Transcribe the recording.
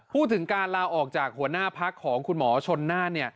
พูดถึงการลาออกจากหัวหน้าพักของคุณหมอชนน่าน